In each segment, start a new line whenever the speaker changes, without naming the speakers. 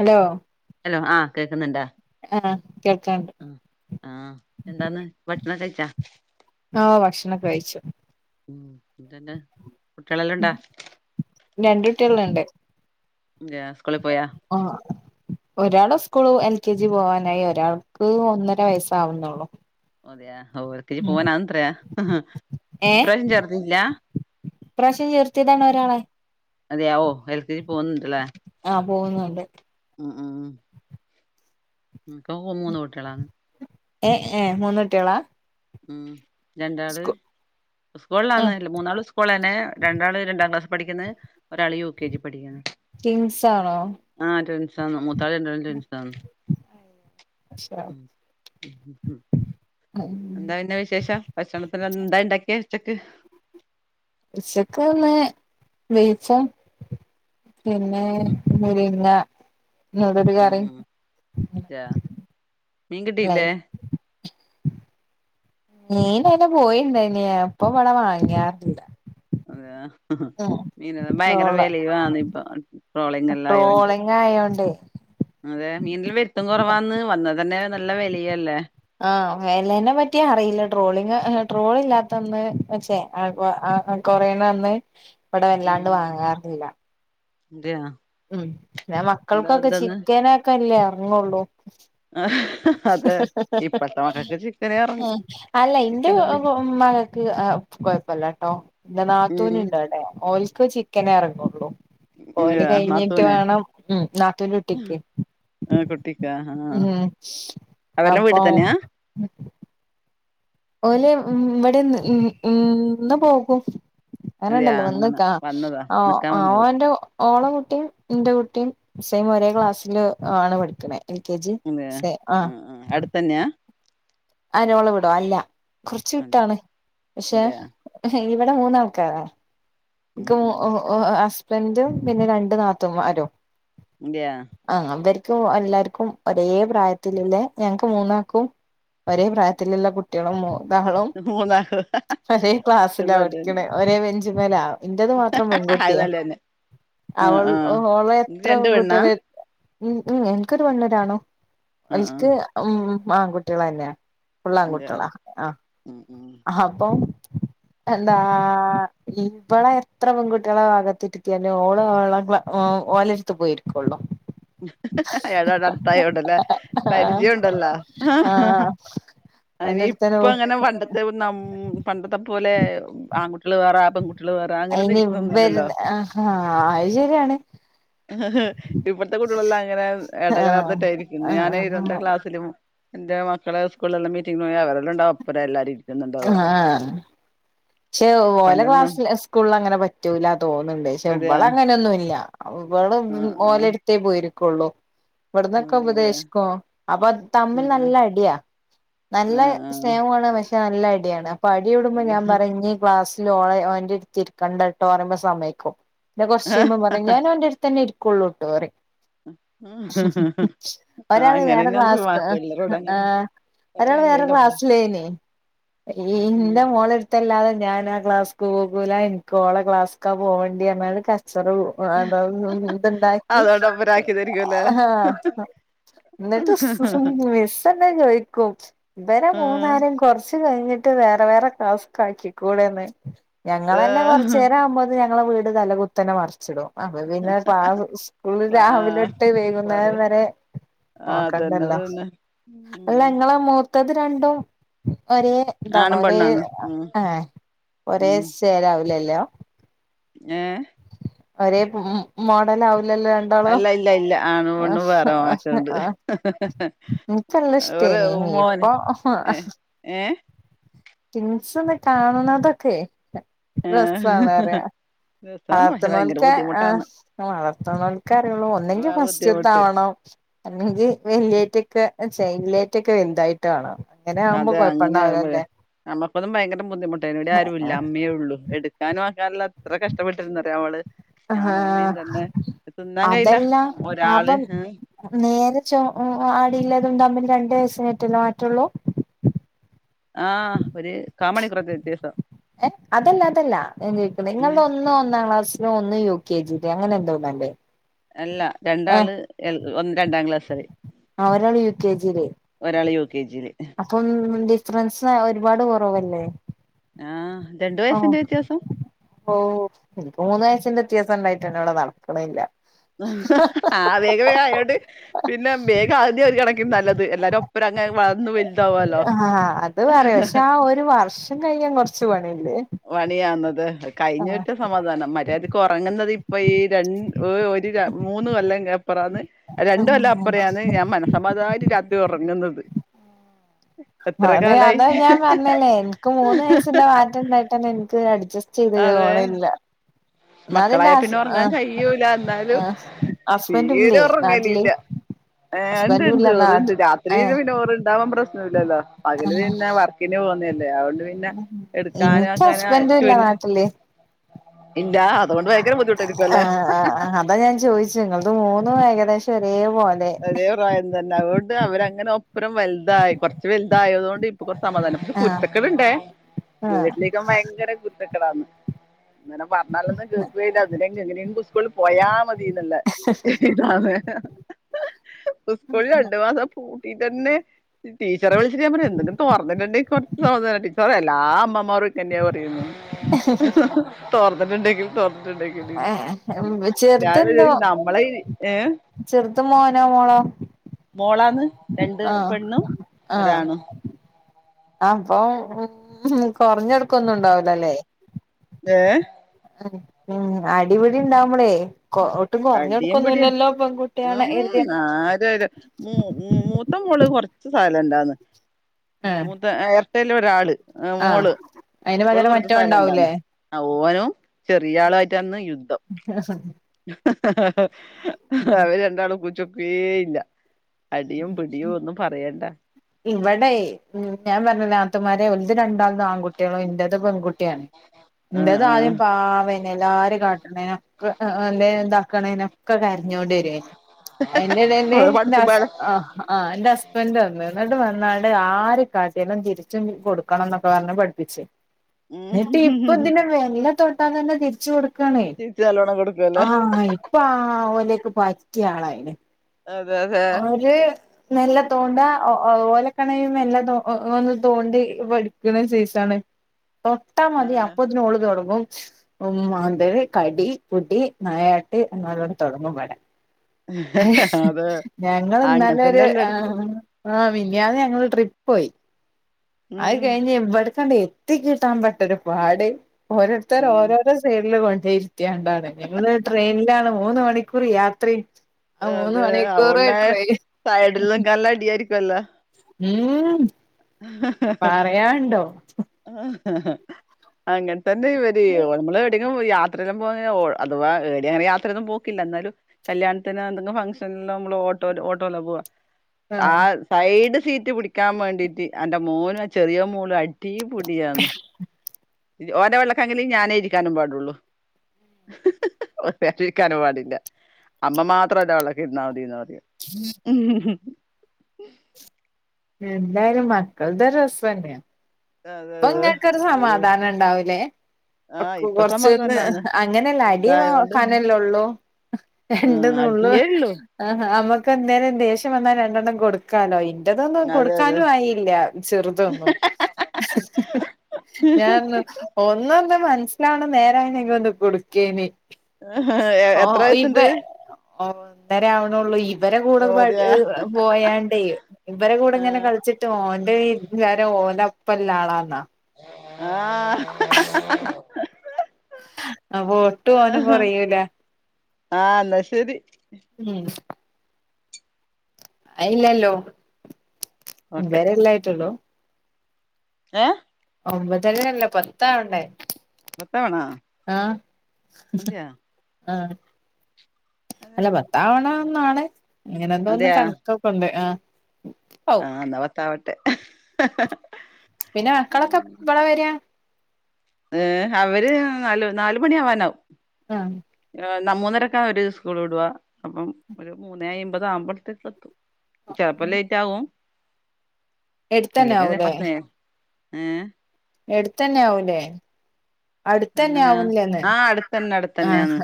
Hello.
Hello ആഹ് കേക്കുന്നുണ്ടാ?
ആഹ് കേൾക്കാണ്ട്
ആഹ് എന്താന്ന് പ എന്നാ കഴിച്ച.
ആഹ ഭക്ഷണഒക്കെ കഴിച്ചു.
ഉം ഇന്തന്നെ. കുട്ടികളെല്ലാം ഇണ്ടാ
രണ്ടുട്ടിആള്ണ്ട്.
ഇല്ലാ സ്കൂളീ പോയാ?
ഒരാള് സ്കൂള് എൽ കെ ജി പോവാനായി ഒരാൾക്ക് ഒന്നര വയസ്സാവുന്നുള്ളു
അതെയാ ഓ ഒക്കി
ഉം
പോവാനാത്രയാ ഇപ്രാവശ്യം ചെർതല്ല
ഈ, പ്രാവശ്യം, ചേർത്തിതാണ്, ഒരാളെ.
അതെയവോ? എൽക്കിപോന്നുണ്ട് ലേ
ആഹ് പോകുന്നുണ്ട്
ഉം ഉം ന്കും മൂന്ന് കുട്ടികളാണ്
എ ഏ മൂന്നുട്ടികളാ
മ്മ് രണ്ടാള്
ആഹ്
സ്കൂളിലന്നല്ല മൂന്നാള് സ്കൂള തന്നെ രണ്ടാള് രണ്ടാം ക്ലാസ് പഠിക്കുന്നത് ഒരാൾ യു കെ ജി പഠിക്കാണ്
ട്വിൻസ് ആണോ
ആ ട്വിൻസാ മൂത്താള് രണ്ടാളും ട്വിൻസാണ് [inaudible]
ആ
എന്താ പിന്നെ വിശേഷം ഭക്ഷണത്തിന് എന്താ ഇണ്ടാക്കിയെ ഉച്ചക്ക്
ഉച്ചക്കിന്ന് വെയിച്ച പിന്നെ മുരിങ്ങ നൂടല്
മ്മ്
കറിയും
മ്മ് ആഹ്
ലൈ
മീൻകിട്ടീല്ലേ
മീൻ അയിലെ പോയിണ്ടന്യേ അപ്പൊ ഇവിടെ വാങ്ങിയാറില്ല
അതെയാ ആഹ്
ഉം
മീനിന് ഭയങ്കര
ട്രോള്
വിലയുമാണ് ഇപ്പൊ ട്രോളിങ് എല്ലായുകൊണ്ട്
ട്രോളിങ് ആയോണ്ടേ
അതെ മീനില് വരുത്തും കുറവാന്ന് വന്നത് തന്നെ നല്ല വെലിയല്ലേ
ആഹ വേലേനെ പറ്റി അറിയില്ല ട്രോളിങ് ട്രോൾ ഇല്ലാത്തന്ന് ച്ചേ അ ആഹ് കൊറയണന്ന് പ്പട വല്ലാണ്ട് വാങ്ങാറില്ല
അതയാ
ഉം പിന്ന മക്കൾക്കൊക്കെ ചിക്കനൊക്കല്ലേ ങ്ങുള്ളൂ
അതെ ഇപ്പഴത്തെ മക്കക്ക് ചിക്കനെ എറങ്ങു
അല്ല ന്റെ
ചിക്കനും ബീ
ഉം മകക്ക് കൊഴപ്പല്ല ട്ടോ ന്റെ നാത്തൂൻ
ഉം
ണ്ട് അടെ ഓൽക്ക് ചി ക്കനെ ഇറങ്ങുള്ളൂ
ഇല്ല്യ
ഓല് കഴിഞ്ഞിട്ട്
നാത്തൂന്
വേണം ഉം നാത്തൂന്റുട്ടിക്ക്
ആ കുട്ടിക്ക ആ
ഉം
അവരെല്ലാം വീട്ടി
അപ്പം
തന്നെയാ
ഓല് ഇവിടെന്ന് ഇഇ ഇന്ന് പോകും
അതെയാ
അനണ്ടല്ലോ
അങ്ങനെ
ഒന്ന്ക്കാ
വന്നതാ
ആ
നിക്കാൻ
ആ
വന്നത്
ഓന്റെ ഓള കുട്ടിയും ന്റെ കുട്ടിയും സെയിം ഒരേ ക്ലാസ്സില് ആണ് പഠിക്കിണേ
അതയാ അ ആഹ് അടുത്തന്നെയാ
ആര് ഓളെ വീടോ അല്ല കുറച്ച്
അതെ
വിട്ടാണ് പക്ഷെ
അതെയാ
ഹ് ഇവിടെ മൂന്നാ ആൾക്കാര
ഉം
ഓ
ഉം
ഓ അ ഫ്രണ്ടും പിന്നെ രണ്ട നാത്തന്മാരും
ഇന്ത്യ
എല്ലാവർക്കും ഒരേ പ്രായത്തിലല്ലേ ഞങ്ങക്ക് മൂന്നാക്കും ഒരേ പ്രായത്തിലുള്ള കുട്ടികളും എള
മൂന്നാ
ഒരേ
അത്
ക്ലാസ്സില
നല്ലന്നെ
പഠിക്കണേ ഒരേ അജ്മല എന്റേത് മാത്രം
അത്
പെൺകുട്ടിയാ
നല്ലന്നെ ആഹ്
അവൾ
ആഹ്
അവളെ
ഇത്
എത്ര
രണ്ട്
പെൺകുട്ടി
പെണ്ണാ
ഉം ഉം എനക്ക്ൊരു വണ്ള്ളരാണോ
ആഹ് ആഹ്
അത്ത് ഉം ആഹ കുട്ടികള തന്നെയാ ഫുൾ
ഇന്റെ
ആൺകുട്ടികളാ
ആഹ് ഉം ഉം
അഹ് അപ്പോ എന്താ ഇപ്പള എത്ര പെൺകുട്ടികളെ ഭാഗത്തിട്ടിട്ട തന്നെ ഓള ഓലെടുത്ത് പോയിരിക്കുവുള്ളു
അയാടടെ അടുത്തായോണ്ടല്ലേ
ആഹ്
പരിചയം ഉണ്ടല്ലോ
ആഹ്
അനി
ഓലടുത്തന്നെ
ഇപ്പ
പോ
അങ്ങനെ പണ്ടത്തെ ന പണ്ടത്തെ പോലെ ലെ അഹ് പെൺകുട്ടികളെ വേറെ
അയിന് ഇവര്
ആൺകുട്
ആഹ് അത് ശരിയാണ്
ഇത്തെ കുട്ടികളെല്ലാം അങ്ങനെ ഇടകലാർന്നട്ടായിരിക്കുന്നു
ആഹ്
ഞാൻ
ആഹ്
രണ്ട ക്ലാസിലും എന്റെ മക്കളെ സ്കൂളെല്ലാം മീറ്റിംഗ പോ അവരെല്ലാംണ്ടാവുംപ്പം എല്ലാരുംും
ആഹ പക്ഷേ ഓല
പണ്ടൊന്നും
ക്ലാസ്ൽ സ്കൂളിൽ അങ്ങനെ പറ്റൂല തോന്നുന്നുണ്ട് പക്ഷെ
അതെയാ
ഇവള അങ്ങന ഒന്നും അല്ല അവള്
ആഹ് ആഹ്
ഓലെടുത്തേ പോയിരും കൊള്ളൂ ഇവിടന്നൊക്കെ
അതെയാ
ഉപദേശിക്കോ അപ്പൊ തമ്മിൽ
ആഹ് ആഹ്
നല്ല അടിയാ നല്ല
ആഹ് ആഹ്
സ്നേഹമാണ് പക്ഷെ നല്ല അടിയാണ് അപ്പൊ അടി ഇടുമ്പോ ഞാൻ പറ
അതെ
ക്ലാസ്സൽ ഓടെ ഓന്റെടുത്തിരിക്കണ്ട കേട്ടോ പറയുമ്പോ സമയ്ക്കും പിന്നെ കുറച്ചു കഴിയുമ്പോൾ പറയും ഞാൻ ഓന്റടുത്ത് ഇരിക്കും കൊള്ളോട്ട വരെ
ആ
ഒരാള് വേറെ
അങ്ങനെന്നെന്ന്
ക്ലാസ്
പിള്ളേരോട് അങ്ങനെ
ആ ഒരാൾ
പറയാൻ
വേറെ
കഴിയില്ല
ക്ലാസ്സിലേന
ഉം
ഇന്റെ മോള എടു അല്ലാതെ ഞാൻ ആ ക്ലാസ് പോകൂല എനിിക്കോളെ ക്ലാസ്ാ പോകേണ്ടി ക അതോ ഇത്ണ്ടാക്കി
അതോണ്ട് അവരാക്കിതരിക്കുല്ലേ
എന്നിട്ട് മിസ്സ് എന്നെ ചോദിക്കും ഇവരെ
ആ
മൂന്നരം കുറച്ച് കഴിഞ്ഞി ് വേറെ വേറെ കാക്കിക്കൂടെന്ന് ഞങ്ങള്
ആ
തന്നെ കുറച്ചുനേരം ആവുമ്പോ നിങ്ങളെ വീട് തലകുത്തനെ മറിച്ചിടും അപ്പ പിന്നെ പ സ്കൂളിൽ രാവിലെ ഇട്ട് വൈകുന്നേരം
പറയ്
വരെ
ആ അതന്നെ
നോക്കണ്ടല്ലോ
അതന്നെ
അല്ല
ഉം
ങ്ങളെ മൂ മൂത്തത് രണ്ടും ഒരേനെ ഇതണോ
ആണും
ഒരേ
പെണ്ണാണ് ഉം
ആ ഒരേ
ഉം
ശേലാവും ല്ലല്ലോ
ഏ
ഒരേ മോഡലാവും ഇല്ലല്ലോ രണ്ടാളോ
അല്ല ഇല്ല ഇല്ല ആണും പെണ്ണും വേറെ മാറ്റം ഉണ്ട്
എനിക്ക് നല്ല
വെറെ
ഇഷ്ടേനി
മോന്
ഇപ്പൊ
ഏ ഏ
ടിൻസിനെ കാണുണതൊക്കെ
ആ
രസാണറിയാ
രസാണ് പക്ഷെ ഭയങ്കര
വളർത്തണോൽക്കെ ആ
ബുദ്ധിമുട്ടാന്ന്
വളർത്തണോൽക്കെ അറിയുള്ളൂ ഒന്നെങ്കിൽ
ആ
ഫസ്റ്റ്
ബുദ്ധിമുട്ട്
താവണം അല്ലെങ്കിൽ വല്ല്യ റ്റിക്ക് ചെയിൻലേറ്റ്ക്കെ വെലുതായിട്ട് കാണാം
അതെ അങ്ങനെയാകുമ്പഴേ നമ്മുക്കൊന്നും ഭയങ്കര ബുദ്ധിമുട്ടാണ് ഇവിടെ ആരും ഇല്ല അമ്മേ ഉള്ളു എടുക്കാനും ആക്കാനുള്ള എത്ര കഷ്ടപ്പെട്ടിരുന്നോ അറിയവോ അവള് ഞാനും അമ്മയും തന്നെ
ആഹ്
തിന്നാൻ കഴിയില്ല
അതല്ല
ഒരാള്
ആടിയില്ലാതൊണ്ട് അമ്മക്ക് രണ്ട് ദിവസ ആയിട്ടല്ലോ മാറ്റുള്ളൂ
ആഹ് ഒരു കാ മണിക്കൂറത്തെ വ്യത്യാസം
ഏ അതല്ല അതല്ല ഞാൻ ചോദിക്കണെ
ഉം
നിങ്ങളുടെ ഒന്ന് ഒന്നാം ക്ലാസ്സിലോ ഒന്നും യു കെ ജി അങ്ങനെ എന്തോ ഒന്നല്ലേ
അല്ല രണ്ടാള് രണ്ടാം ക്ലാസ് തത്
ആ ഒരാള് യു കെ ജിയില്
യു കെ ജിയില്
അപ്പം ഡിഫറൻസ് ഒരുപാട് പോവല്ലേ
ആഹ് രണ്ട്
ആ
വയസ്സിന്റെ വ്യത്യാസം
ഓ ഇനിപ്പോ മൂന്നുവയസിൻറെ വ്യത്യാസം ഉണ്ടായിട്ട് ഒന്നും നടക്കണേ ഇല്ല
ആ വേഗ വേഗ ആയോണ്ട് പിന്നെ വേഗ ആദ്യ ഒരു കണക്കും നല്ലത് എല്ലാരും ഒപ്പര അങ്ങെ വളർന്നു വലുതാവല്ലോ
ആഹ് അത് പറയാ
ഹ
പക്ഷെ
ഹ
ആ ഒരു വർഷം കഴിയാൻ [unintelligible]
വണിയന്നത് അ കഴിഞ്ഞൊട്ട സമാധാനം മര്യാദയ്ക്ക് ഉറങ്ങുന്നത് ഇപ്പോൾ ഈ രണ്ട് ഒരു മൂന്ന് കൊല്ലം ഇപ്പുറാന്ന് രണ്ട് കൊല്ലം
ആ
അപ്പറേണ് ഞാ മനസമാതമായിട്ട രാത്രി ഉറ ഉറങ്ങുന്നത് എത്ര
അതെ
കാലായി
അതാ ഞാൻ പറഞ്ഞല്ലേ എനിക്ക് മൂന്ന വയസ്സിന്റെ മാറ്റണ്ടായി എനിക്ക് അടു
അതെ
ചെയ്ത്ണില്ല
മക്കളായ പിന്നെ ഉറങ്ങാൻ കഴിയുല്ല എന്നാലും
ആഹ് ഹസ്ബൻഡും
തീരെ
ഇല്ലേ നാട്ടില്
ഉറങ്ങലല്ല ഏ ഉണ്ട്
ഹസ്ബൻഡും
ഇണ്ട്
ഇല്ല
റുണ്ട്
നാട്ടിൽ
രാത്രി
ഏഹ്
പിന്നെ ഓറണ്ടാവാൻ പ്രശ്ന ഇല്ലല്ലോ പകല്
ആഹ്
പിന്നെ വർക്കിന് പോന്നല്ലേ അതൊണ്ട് പിന്നെ എടുക്കാനും
എനിക്ക്
ആക്കാനും
ഹസ്ബൻഡും ഇല്ല
പിന്നെ
നാട്ടില്
ഇല്ല അതുകൊണ്ട് ഭയങ്കര ബുദ്ധിമുട്ടായിരിക്കുവല്ലേ
ആഹ് ആഹ് ആഹ് അതാ ഞാൻ ചോയിച്ചേ ഇങ്ങൾത് മൂന്നും ഏകദേശം ചെറീയെ
ഒരേ പ്രായം തന്നെ അതോണ്ട് അവരങ്ങ് അങ്ങനെ ഒപ്പരം വൽതായി കൊർച്ച് വൽതായതോണ്ട് ഇപ്പൊ കൊ സമാധാനം. ഇത്
ആഹ്
കുരുത്തക്കേട് ഇണ്ടേ.
ആഹ്
വീട്ടിലെക്കെ ഓൻ വയങ്കര കുര്ത്തക്കേടാണ്. ഇങ്ങനെ പർഞ്ഞാലൊന്ന് കേക്കുയില്ല. ഇതിനെങ്ക് എങ്ങനെയെങ്കി സ്കൂളില് പോയാമതീന്ന്ല്ല ഇഹ് ഇഹ് ഇതാണ് ഇഹ്. ഉസ്കൂള് രണ്ട് മാസം പൂട്ടീട്ടെന്നെ ടീച്ചറെ വിളിച്ചിട്ട് ഞാൻ പറയ് എന്തെങ്കി തൊർന്ന്ട്ട്ണ്ടെങ്കി കൊർച്ച് സമാധാനെ ഇപ്പ എല്ലാ അമ്മ മൊറൊക്കെന്നെ പറയുന്നേ. ഇഹ് ഇഹ് തൊർ ർന്ന്ണ്ടെങ്കി തൊർന്ന്. [unintelligible]
ഏഹ്
ഞാൻ
ചെറുതെന്തോ
വിചാരിക്കും നമ്മളെ ഈ ഏഹ്
ത് മോനോ മോളോ?
മോളാന്ന്. രണ്ട്
ആഹ്
പെണ്ണും ഒരാണ്.
ആപ്പം ഊ ഇഹ് കൊർഞ്ഞൊ ട്ക്കൊന്നും ഇണ്ടാവുലാല്ലേ.
മേ
പിന്നെ അടിപിടി ഇണ്ടാവ്മ്പെളെ
അടിയും പിടിയും
പെൺകുട്ടിയാണ്
ഊം
എരുതിയാണ്
ആരര് മൂ മൂത്ത മോള് കൊർ ച്ച് സയ്ലന്റാന്ന്
ഉം
മൂത്തെ ഏഹ്ർ ത്തേലൊരാൾ
ആഹ് അയിന് പകരം മറ്റോൻ ഉണ്ടാവു ലേ.
സൈലന്റാന്ന് ആ ഓനും ചെറിയ ആളു ആയിട്ടാണ്ന്ന് യുദ്ധം. അവര് രണ്ടാളും കൂച്ചൊക് പേ ഇല്ല അടിയും പിടിയും ഒന്നും പറയണ്ട
ഇവിടേയ് ഞാൻ പറഞ്ഞില്ലേ നാത്തൂമാര് ഓലത് രണ്ടാളതും ആൺകുട്ടിയാളും ഇന്റെത് പെൺകുട്ടിയാണ്
ആഹ്
എന്റെത് ആദ്യം
ആഹ്
പാവേനെ എല്ലാരും കാട്ടനീനുക്കെ എ എ ല്ലേതും ഇതാക്ക് ണെനും ഒക്കെ കരഞ്ഞോണ്ട് വര്വേ. അയ്ന്റെടേല്
ഓള്
ഇന്റെ ഹസ്
പഠിച്ച്മ്പാടെ
ആഹ് ആഹ് ഇന്റെ ഹസ്ബൻഡ് വന്ന് വന്ന്കാണ്ട് ആര് കാട്ടിയാലും തിരിച്ചും കൊടുക്കണന്നൊക്കെ പറഞ്ഞ് പഠിപ്പിച്ച്
ഉം
ഇന്നിട്ട് ഇപ്പതിനെ മെല്ലെ തൊ അതന്നെ തിരിച്ചു കൊട് ണെ
ചിരിച്ച് നല്ലോണം
ആ
കൊടുക്കുവല്ലേ
ഇപ്പ ആ ഓലക്ക് പ ആളായേനെ
അതെ അതെ
മെല്ലെ തോണ്ട ഒ ഓ ഓലൊക്കണേയ് മെല്ല തോ ഒ ഒന്ന് തോണ്ടി വടിക്ക്ണ് സൈസാണ്. തൊട്ടാ മതി
ആഹ്
അപ്പത്തിനും ഓള് തൊടങ്ങും ഉം മാന്തൽ, കടി, പിടി, നായാ നല്ലോണം തൊടങ്ങുവെടെ
അതെ
ഞങ്ങൾ
അങ്ങൻതന്നെ
ഇന്നലൊര് ആ
എല്ലാട്ത്തും
ആഹ് മിനിഞ്ഞാന്ന് ഞങ്ങളൊരു ട്രിപ്പോയി. അത്
ഉം
കഴിഞ്ഞ് ഇവിട് എത്തിക്കിട്ടാൻ പെട്ടൊരു പാട് ഓരോരുത്തർ
ഉം
ഓരോരോ സൈഡിൽ വ ദേശ് ണ്ടാണ് ഞങ്ങള് ട്രെയിൻലാണ് മൂന്ന് മണിക്കൂർ യാത്രം
അതെ ആവന്നെ സൈഡിലൊക്കെ നല്ല അടിയായിരിക്കും കല്ല
ഊം പറയാണ്ടോ
ആ അങ്ങനത തന്നെ വരേയോ ഞമ്മള് ധികോം യാത്രെന്നും പോവാ അഥവാ ഏടെയാണങ് യാത്രെന്നും പോക്കില്ല ന്നാലും കല്യാണത്തിനോ ന്തെങ്കിഫഗ്‌ഷന്ലോ നമ്മള് ഓട്ടോ ഓട്ടോലാപോവാ. ആ
ആഹ്
സൈഡ് സീറ്റ് പിടിക്കാൻ മേണ്ടിട്ട് ത്തി അന്റെ മോനും ആ ചെറിയ മോളും അടിയും പുടിയാന്ന് ഓന്റെ വെള്ള കാങ്ങില് ഞാനേ ഇരിക്കാനും പാടുള്ളൂ ഓൻ [unintelligible] ഇരിക്കാനും പാടില്ല അമ്മ മാത്രം [unintelligible] ഇന്നാൽ മതിന്ന് പറ ഉം ഉം
എന്തായാലും മക്കള്ടെ രസന്നെയ
അതെ
ഇപ്പൊ
അതെ
ഇങ്ങക്കൊരു
അവര്
സമാധാനം ഉണ്ടാവൂലേ
ആഹ് ഇപ്പൊ
കൊറച്ചൊന്ന്
സമാധാനാന്ന്
അങ്ങനെല്ല അടിയെ
വലുതായോണ്ട്
വക്കാനല്ലേള്ളൂ
ആഹ്
രണ്ട്ന്നുള്ള്
അടിയേ ഉള്ളൂ
ആഹ് ഇപ്പ എന്തെലും ദേശ്യം വന്നാൽ രണ്ടെണ്ണം കൊടുക്കാലോ ഇതൊന്നും
അതെ അതെ
കൊടുക്കാനും ആയില്ല ചെറുതൊന്നും ഞാനൊന്ന് ഒന്ന്ന്ത മനസ്സിലാവണ നേരായനെ ക്കൊന്ന് കൊടുക്കേന്
ആഹ് എത്ര വയസണ്ട്
ഓന്നര ആവണള്ളൂ ഈ ഇവരെ കൂടെ
ഓ അതെയാ
പോയാണ്ടെ ഇവരെടെ കൂടെ ഇങ്ങനെ
ആഹ്
കളിച്ചിട്ട് ഓന്റെ വിചാരം ഓന്റെ ഒപലാളാന്ന
ആഹ [unintelligible]
ആ വോട്ട് ഓന് കൊറയൂല
ആഹ് എന്നാ ശരി
ഉം ഇല്ലല്ലോ ഒമ്പരല്ലെ ആയ്ട്ടള്ളു
ഏഹ്
ഒമ്പതരല്ലേ പത്ത് ആവണ്ടേ
പത്താവണോ
ആഹ
മതിയാ
ആഹ അല്ല പത്താവണന്നാണ് ഇങ്ങനെ എന്തോ ഒന്നു
അതെയാ
കണക്കൊകെണ്ട് ആ
ആഹ് ന്നപത്താവ [unintelligible]
പിന്നെ മക്കളൊക്കെ ഇപള വരാ
ഏ അവര് നാല് നാല് മണി ആാവാനാവും
ആഹ
ന്ന മൂന്നരൊക്കെ അവരുസ്കൂൾ ഇടുവാ അപ്പം ഒരു മൂന്നെ അമ്പത ആവുമ്പോത്തേക്കെത്തും ചെലപ്പ ലേറ്റ് ആകും
എടുത്തന്നെ ആാവൂലേ
ഏ
എട്ത്തന്ന്യാവു ലേ.
അങ്ങനെ ആഹ് അടുത്തന്നെ
ആഹ്
അടുത്തന്നെയാന്ന്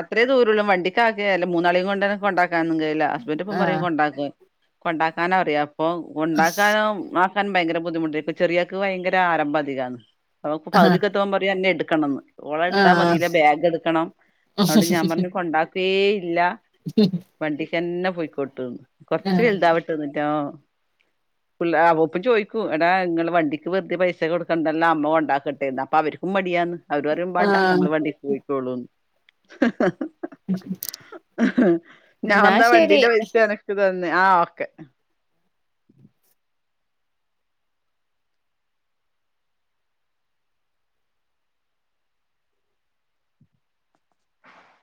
അത്രയും ദൂ വണ്ടിക്കാക്കുകല്ല മൂന്നാളും കൊണ്ട്കൊണ്ടാക്കുക രാന്നുംകയുലാ ഹസ്ബന്റ് ഇപ്പം പറിം
ആഹ്
കൊണ്ടാക്കാ. കൊണ്ടാക്കാന അറിയ ഇപ്പം കൊണ്ടാക്കാനും ആക്കാനും ഭയ്ങ്കര ബുദ്ധിമുട്ട് ഇപ്പ ചെറിയാൾക്ക് ഭയങ്കര ആരംഭഅധികാണ് നമുക്ക്
ആഹ്
പകുതിക്ക് എത്തുമ്പോ പറയും അന്നേ കെണന്ന് ഓള എടുത്താൽ
ആഹ്
മതില്ലെ ബാഗ് എടുക്കണം അതൊണ്ട് ഞാൻ പറഞ്ഞു കൊണ്ടാക്ക പേ [unintelligible] ഇല്ല വണ്ടി എന്നെ പൊയ്ക്കോട്ട് ന്ന് കൊറച്ചു
ആഹ്
വലുതാവട്ടെ ന്നട്ട് ചോയ്ക്കും എടാ നിങ്ങള് വണ്ടിക്ക് വെറുതെ പൈസ കൊടുക്കണ്ടല്ലോ അമ്മ ഉണ്ടാക്കട്ടെന്ന് അപ്പൊ അവർക്കും മടിയാന്ന് അവർ പറയും മ്പാണ്ട
ആഹ്
നമ്മള് വണ്ടിക്ക് പോയി് ക്കോളും ഹ് ഹ് ആഹ് ഞാൻ
എന്നാ
ന്നാ
ശരി
വണ്ടീന്റെ പൈസ എനക്ക് തന്നെ ആഹ് ഒക്കെ